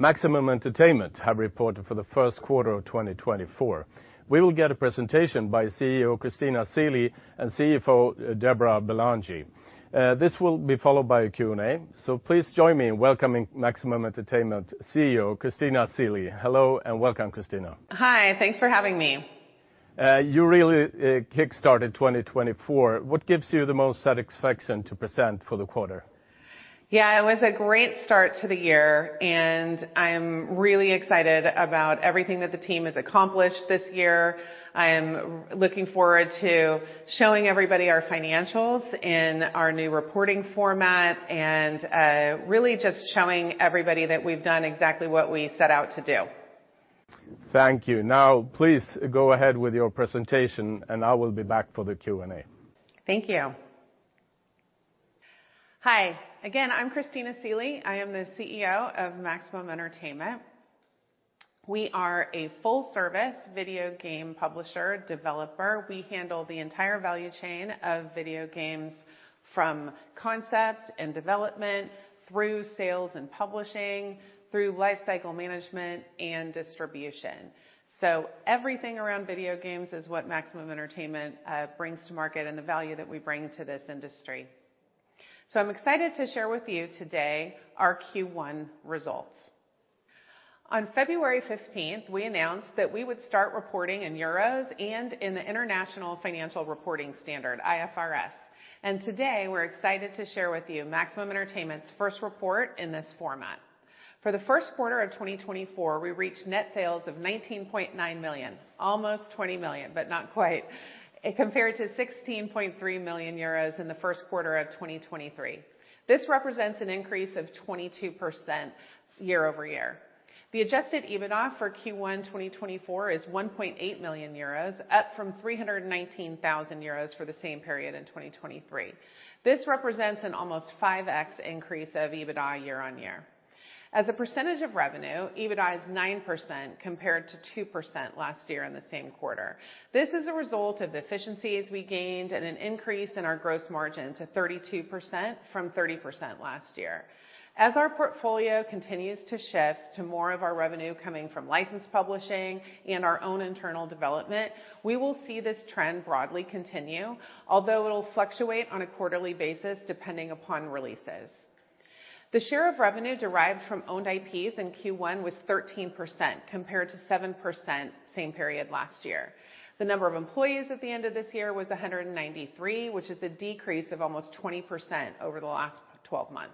Maximum Entertainment have reported for the first quarter of 2024. We will get a presentation by CEO Christina Seelye and CFO Deborah Bellangé. This will be followed by a Q&A, so please join me in welcoming Maximum Entertainment CEO Christina Seelye. Hello, and welcome, Christina. Hi, thanks for having me. You really kickstarted 2024. What gives you the most satisfaction to present for the quarter? Yeah, it was a great start to the year, and I'm really excited about everything that the team has accomplished this year. I am looking forward to showing everybody our financials in our new reporting format and, really just showing everybody that we've done exactly what we set out to do. Thank you. Now, please go ahead with your presentation, and I will be back for the Q&A. Thank you. Hi. Again, I'm Christina Seelye. I am the CEO of Maximum Entertainment. We are a full-service video game publisher, developer. We handle the entire value chain of video games from concept and development through sales and publishing, through lifecycle management and distribution. So everything around video games is what Maximum Entertainment brings to market and the value that we bring to this industry. So I'm excited to share with you today our Q1 results. On February 15th, we announced that we would start reporting in euros and in the International Financial Reporting Standard, IFRS, and today, we're excited to share with you Maximum Entertainment's first report in this format. For the first quarter of 2024, we reached net sales of 19.9 million, almost 20 million, but not quite, compared to 16.3 million euros in the first quarter of 2023. This represents an increase of 22% year-over-year. The adjusted EBITDA for Q1 2024 is 1.8 million euros, up from 319,000 euros for the same period in 2023. This represents an almost 5x increase of EBITDA year-on-year. As a percentage of revenue, EBITDA is 9%, compared to 2% last year in the same quarter. This is a result of the efficiencies we gained and an increase in our gross margin to 32% from 30% last year. As our portfolio continues to shift to more of our revenue coming from licensed publishing and our own internal development, we will see this trend broadly continue, although it'll fluctuate on a quarterly basis, depending upon releases. The share of revenue derived from owned IPs in Q1 was 13%, compared to 7% same period last year. The number of employees at the end of this year was 193, which is a decrease of almost 20% over the last 12 months.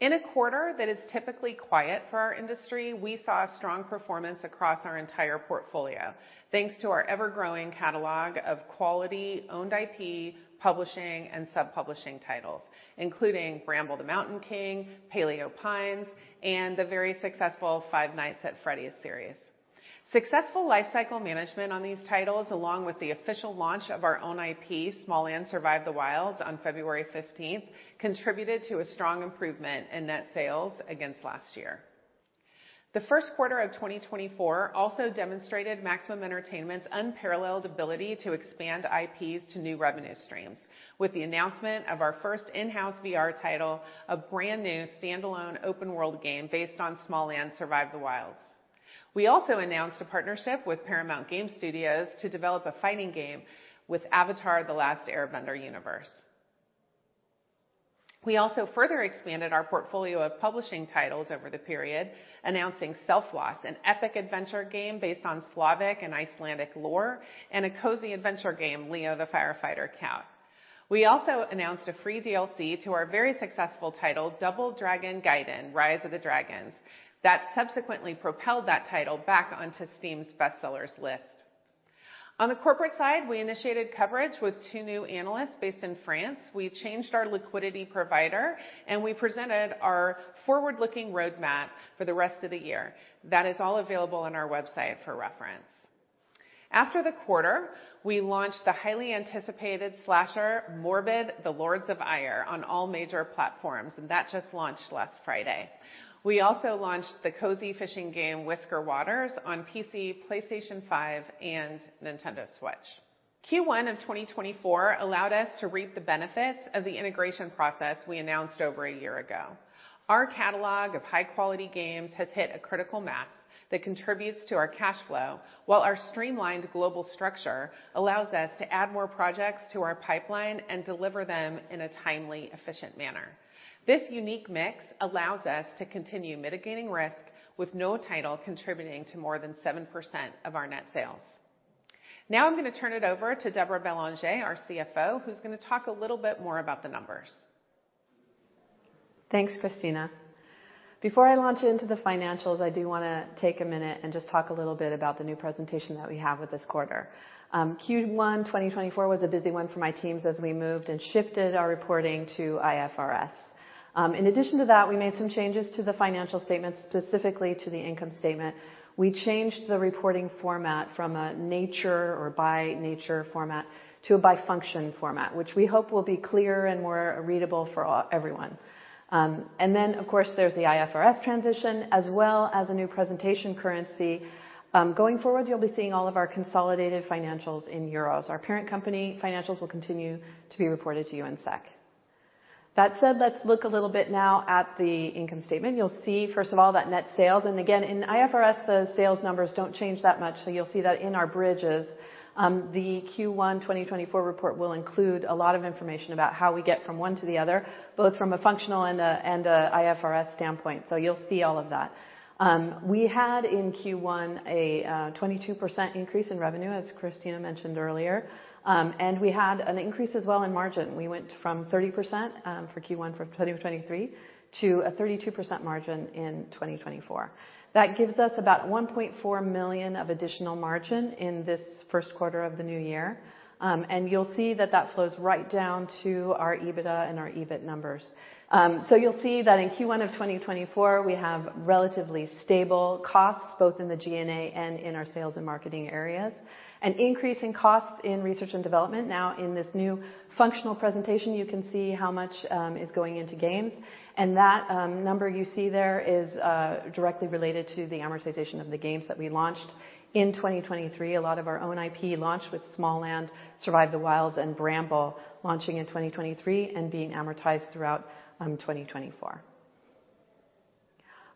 In a quarter that is typically quiet for our industry, we saw a strong performance across our entire portfolio, thanks to our ever-growing catalog of quality owned IP, publishing, and sub-publishing titles, including Bramble: The Mountain King, Paleo Pines, and the very successful Five Nights at Freddy's series. Successful lifecycle management on these titles, along with the official launch of our own IP, Smalland: Survive the Wilds, on February 15th, contributed to a strong improvement in net sales against last year. The first quarter of 2024 also demonstrated Maximum Entertainment's unparalleled ability to expand IPs to new revenue streams with the announcement of our first in-house VR title, a brand-new standalone open world game based on Smalland: Survive the Wilds. We also announced a partnership with Paramount Game Studios to develop a fighting game with Avatar: The Last Airbender Universe. We also further expanded our portfolio of publishing titles over the period, announcing Selfloss, an epic adventure game based on Slavic and Icelandic lore, and a cozy adventure game, Leo the Firefighter Cat. We also announced a free DLC to our very successful title, Double Dragon Gaiden: Rise of the Dragons, that subsequently propelled that title back onto Steam's bestsellers list. On the Corporate side, we initiated coverage with two new analysts based in France. We changed our liquidity provider, and we presented our forward-looking roadmap for the rest of the year. That is all available on our website for reference. After the quarter, we launched the highly anticipated slasher, Morbid: The Lords of Ire, on all major platforms, and that just launched last Friday. We also launched the cozy fishing game, Whisker Waters, on PC, PlayStation 5, and Nintendo Switch. Q1 of 2024 allowed us to reap the benefits of the integration process we announced over a year ago. Our catalog of high-quality games has hit a critical mass that contributes to our cash flow, while our streamlined global structure allows us to add more projects to our pipeline and deliver them in a timely, efficient manner. This unique mix allows us to continue mitigating risk with no title contributing to more than 7% of our net sales. Now I'm gonna turn it over to Deborah Bellangé, our CFO, who's gonna talk a little bit more about the numbers. Thanks, Christina. Before I launch into the financials, I do wanna take a minute and just talk a little bit about the new presentation that we have with this quarter. Q1 2024 was a busy one for my teams as we moved and shifted our reporting to IFRS. In addition to that, we made some changes to the financial statements, specifically to the income statement. We changed the reporting format from a nature or by-nature format to a by-function format, which we hope will be clearer and more readable for everyone. And then, of course, there's the IFRS transition, as well as a new presentation currency. Going forward, you'll be seeing all of our consolidated financials in euros. Our parent company financials will continue to be reported to you in SEK. That said, let's look a little bit now at the income statement. You'll see, first of all, that net sales, and again, in IFRS, the sales numbers don't change that much, so you'll see that in our bridges. The Q1 2024 report will include a lot of information about how we get from one to the other, both from a functional and IFRS standpoint, so you'll see all of that. We had, in Q1, a 22% increase in revenue, as Christina mentioned earlier, and we had an increase as well in margin. We went from 30% for Q1 for 2023 to a 32% margin in 2024. That gives us about 1.4 million of additional margin in this first quarter of the new year, and you'll see that that flows right down to our EBITDA and our EBIT numbers. So you'll see that in Q1 of 2024, we have relatively stable costs, both in the G&A and in our sales and marketing areas, an increase in costs in research and development. Now, in this new functional presentation, you can see how much, is going into games, and that number you see there is, directly related to the amortization of the games that we launched in 2023. A lot of our own IP launched with Smalland: Survive the Wilds and Bramble launching in 2023 and being amortized throughout 2024.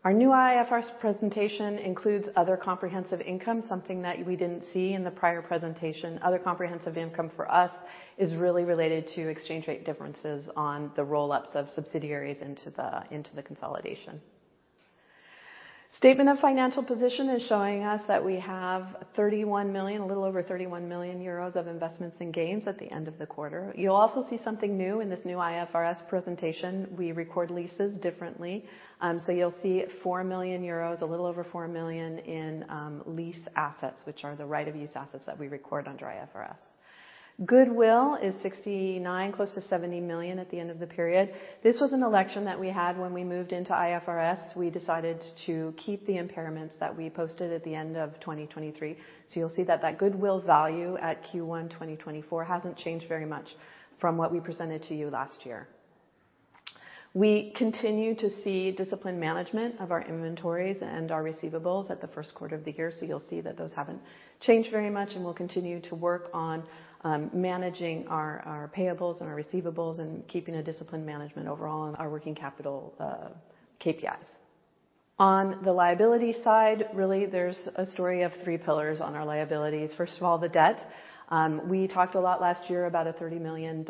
Our new IFRS presentation includes other comprehensive income, something that we didn't see in the prior presentation. Other comprehensive income for us is really related to exchange rate differences on the roll-ups of subsidiaries into the consolidation. Statement of financial position is showing us that we have 31 million, a little over 31 million euros of investments in games at the end of the quarter. You'll also see something new in this new IFRS presentation. We record leases differently, so you'll see 4 million euros, a little over 4 million, in lease assets, which are the right of use assets that we record under IFRS. Goodwill is 69 million, close to 70 million at the end of the period. This was an election that we had when we moved into IFRS. We decided to keep the impairments that we posted at the end of 2023, so you'll see that that goodwill value at Q1 2024 hasn't changed very much from what we presented to you last year. We continue to see disciplined management of our inventories and our receivables at the first quarter of the year, so you'll see that those haven't changed very much, and we'll continue to work on managing our payables and our receivables and keeping a disciplined management overall on our working capital KPIs. On the liability side, really, there's a story of three pillars on our liabilities. First of all, the debt. We talked a lot last year about a $30 million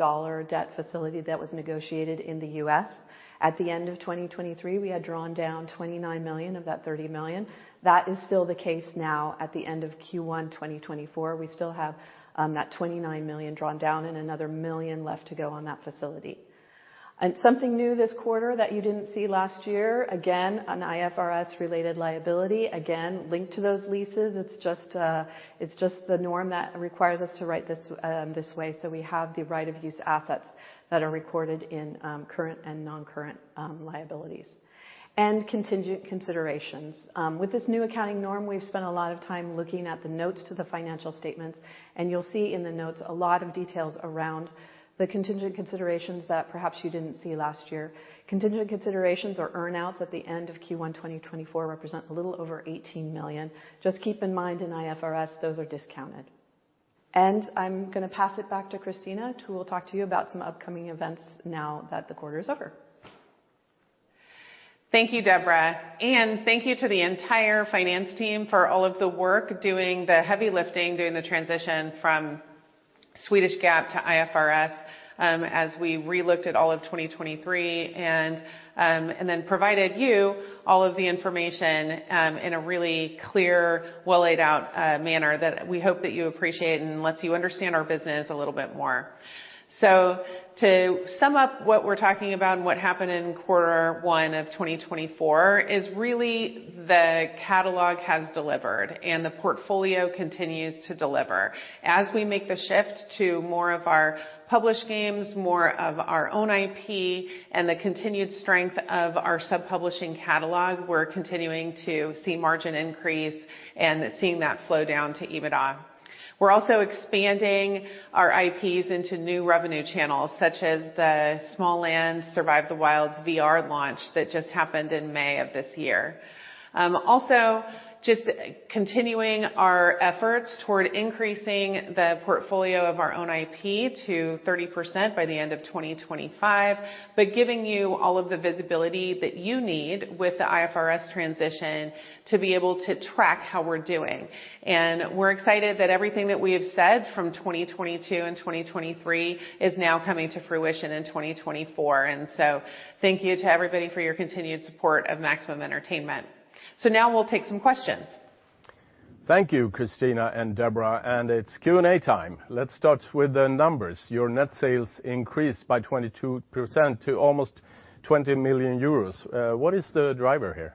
debt facility that was negotiated in the U.S. At the end of 2023, we had drawn down $29 million of that $30 million. That is still the case now at the end of Q1 2024. We still have that $29 million drawn down and another $1 million left to go on that facility. Something new this quarter that you didn't see last year, again, an IFRS-related liability, again, linked to those leases. It's just the norm that requires us to write this way, so we have the right of use assets that are recorded in current and non-current, liabilities. Contingent considerations. With this new accounting norm, we've spent a lot of time looking at the notes to the financial statements, and you'll see in the notes a lot of details around the contingent considerations that perhaps you didn't see last year. Contingent considerations or earn-outs at the end of Q1 2024 represent a little over 18 million. Just keep in mind, in IFRS, those are discounted. And I'm gonna pass it back to Christina, who will talk to you about some upcoming events now that the quarter is over. Thank you, Deborah, and thank you to the entire finance team for all of the work, doing the heavy lifting during the transition from Swedish GAAP to IFRS, as we relooked at all of 2023, and then provided you all of the information in a really clear, well-laid-out manner that we hope that you appreciate and lets you understand our business a little bit more. So to sum up what we're talking about and what happened in quarter one of 2024 is really the catalog has delivered, and the portfolio continues to deliver. As we make the shift to more of our published games, more of our own IP, and the continued strength of our sub-publishing catalog, we're continuing to see margin increase and seeing that flow down to EBITDA. We're also expanding our IPs into new revenue channels, such as the Smalland: Survive the Wilds VR launch that just happened in May of this year. Also just continuing our efforts toward increasing the portfolio of our own IP to 30% by the end of 2025, but giving you all of the visibility that you need with the IFRS transition to be able to track how we're doing. We're excited that everything that we have said from 2022 and 2023 is now coming to fruition in 2024, and so thank you to everybody for your continued support of Maximum Entertainment. Now we'll take some questions. Thank you, Christina and Deborah, and it's Q&A time. Let's start with the numbers. Your net sales increased by 22% to almost 20 million euros. What is the driver here?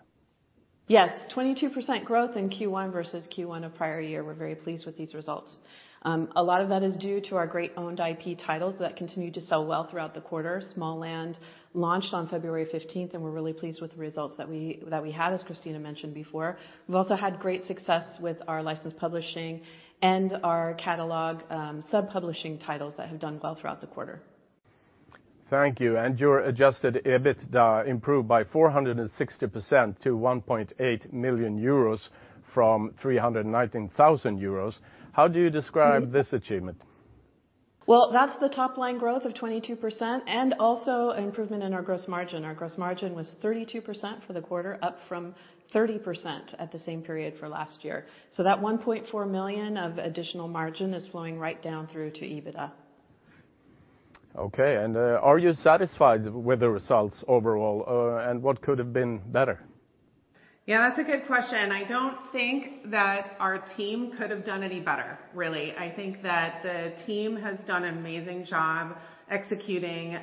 Yes, 22% growth in Q1 versus Q1 of prior year. We're very pleased with these results. A lot of that is due to our great owned IP titles that continued to sell well throughout the quarter. Smalland launched on February 15th, and we're really pleased with the results that we had, as Christina mentioned before. We've also had great success with our Licensed Publishing and our catalog, sub-publishing titles that have done well throughout the quarter. Thank you. Your Adjusted EBITDA improved by 460% to 1.8 million euros from 319,000 euros. How do you describe this achievement? Well, that's the top line growth of 22%, and also improvement in our gross margin. Our gross margin was 32% for the quarter, up from 30% at the same period for last year. So that 1.4 million of additional margin is flowing right down through to EBITDA. Okay, and are you satisfied with the results overall? And what could have been better? Yeah, that's a good question. I don't think that our team could have done any better, really. I think that the team has done an amazing job executing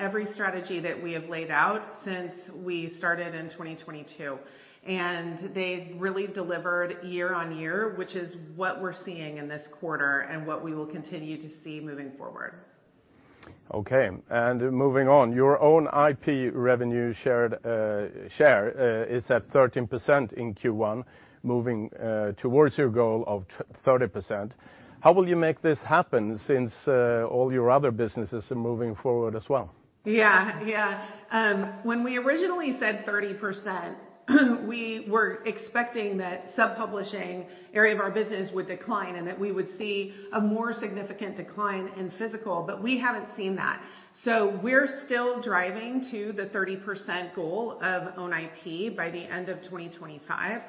every strategy that we have laid out since we started in 2022. And they've really delivered year-on-year, which is what we're seeing in this quarter and what we will continue to see moving forward. Okay. And moving on, your own IP revenue share is at 13% in Q1, moving towards your goal of 30%. How will you make this happen since all your other businesses are moving forward as well? Yeah, yeah. When we originally said 30%, we were expecting that sub-publishing area of our business would decline, and that we would see a more significant decline in physical, but we haven't seen that. So we're still driving to the 30% goal of own IP by the end of 2025.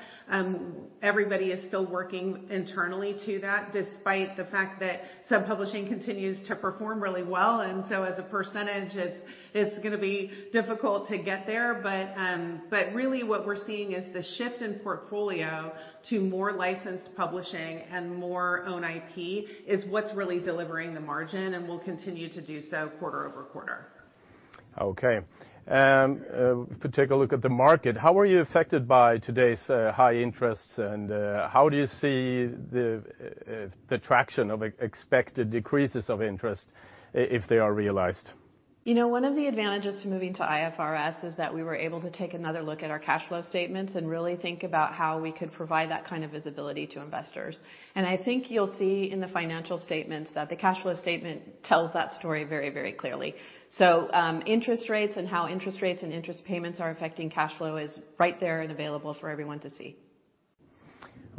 Everybody is still working internally to that, despite the fact that sub-publishing continues to perform really well. And so as a percentage, it's, it's gonna be difficult to get there. But really what we're seeing is the shift in portfolio to more licensed publishing and more own IP is what's really delivering the margin and will continue to do so quarter-over-quarter. Okay. If we take a look at the market, how were you affected by today's high interests, and how do you see the traction of expected decreases of interest, if they are realized? You know, one of the advantages to moving to IFRS is that we were able to take another look at our cash flow statements and really think about how we could provide that kind of visibility to investors. I think you'll see in the financial statements that the cash flow statement tells that story very, very clearly. Interest rates and how interest rates and interest payments are affecting cash flow is right there and available for everyone to see.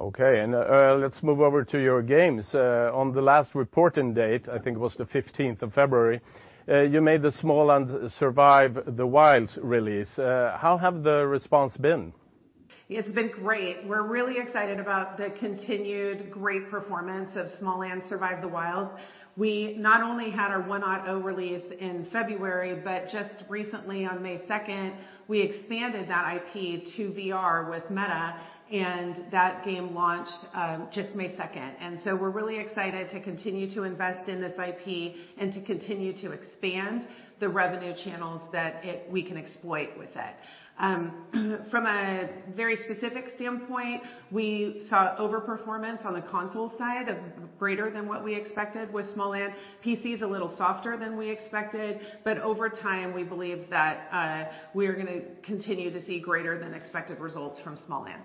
Okay, and let's move over to your games. On the last reporting date, I think it was the 15th of February, you made the Smalland: Survive the Wilds release. How have the response been? It's been great. We're really excited about the continued great performance of Smalland: Survive the Wilds. We not only had our 1.0 release in February, but just recently on May 2nd, we expanded that IP to VR with Meta, and that game launched just May 2nd. And so we're really excited to continue to invest in this IP and to continue to expand the revenue channels that it, we can exploit with it. From a very specific standpoint, we saw overperformance on the Console side of greater than what we expected with Smalland. PC is a little softer than we expected, but over time, we believe that we are gonna continue to see greater than expected results from Smalland.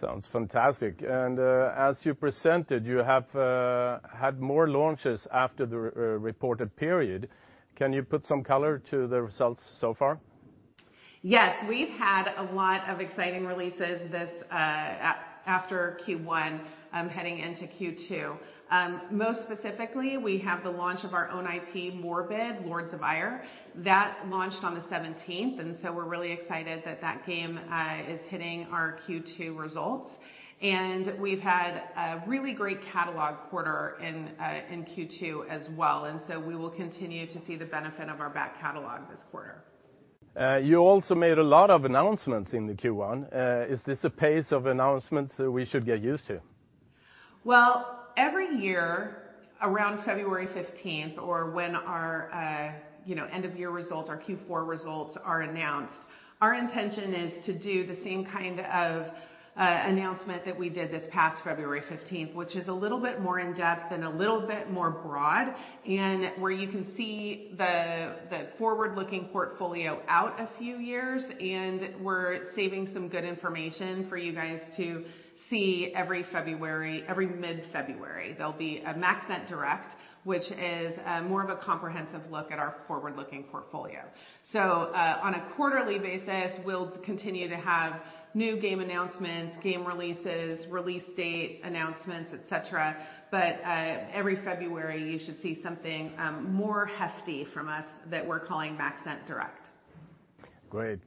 Sounds fantastic. And, as you presented, you have had more launches after the reported period. Can you put some color to the results so far? Yes, we've had a lot of exciting releases this after Q1, heading into Q2. Most specifically, we have the launch of our own IP, Morbid: Lords of Ire. That launched on the seventeenth, and so we're really excited that that game is hitting our Q2 results. And we've had a really great catalog quarter in Q2 as well, and so we will continue to see the benefit of our back catalog this quarter. You also made a lot of announcements in the Q1. Is this a pace of announcements that we should get used to? Well, every year, around February 15th, or when our, you know, end of year results, our Q4 results are announced, our intention is to do the same kind of announcement that we did this past February 15th, which is a little bit more in-depth and a little bit more broad, and where you can see the, the forward-looking portfolio out a few years, and we're saving some good information for you guys to see every February. Every mid-February, there'll be a Maxent Direct, which is more of a comprehensive look at our forward-looking portfolio. So, on a quarterly basis, we'll continue to have new game announcements, game releases, release date announcements, et cetera. But, every February, you should see something more hefty from us that we're calling Maxent Direct. Great.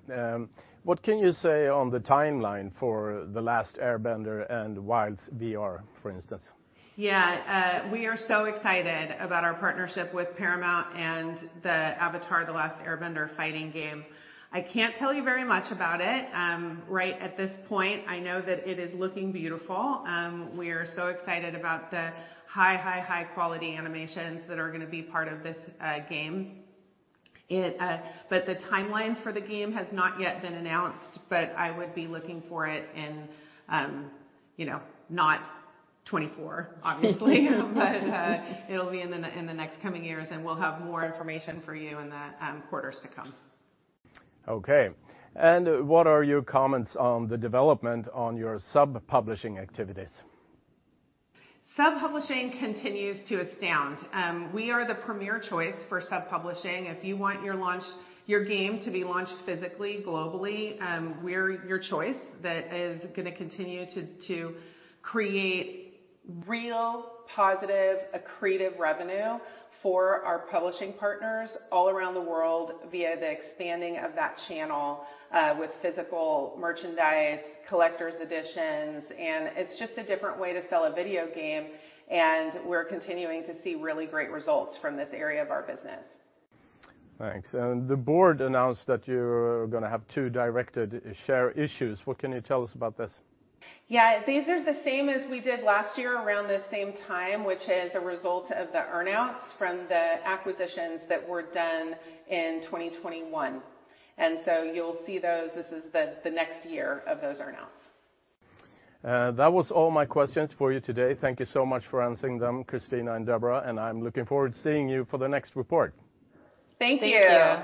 What can you say on the timeline for The Last Airbender and Wilds VR, for instance? Yeah, we are so excited about our partnership with Paramount and the Avatar: The Last Airbender fighting game. I can't tell you very much about it, right at this point. I know that it is looking beautiful. We are so excited about the high, high, high quality animations that are gonna be part of this game. But the timeline for the game has not yet been announced, but I would be looking for it in, you know, not 2024, obviously. But, it'll be in the next coming years, and we'll have more information for you in the quarters to come. Okay. What are your comments on the development on your sub-publishing activities? Sub-publishing continues to astound. We are the premier choice for sub-publishing. If you want your game to be launched physically, globally, we're your choice. That is gonna continue to create real positive accretive revenue for our publishing partners all around the world, via the expanding of that channel, with physical merchandise, collector's editions, and it's just a different way to sell a video game, and we're continuing to see really great results from this area of our business. Thanks. And the board announced that you're gonna have two directed share issues. What can you tell us about this? Yeah, these are the same as we did last year around the same time, which is a result of the earnouts from the acquisitions that were done in 2021. And so you'll see those. This is the next year of those earnouts. That was all my questions for you today. Thank you so much for answering them, Christina and Deborah, and I'm looking forward to seeing you for the next report. Thank you. Thank you.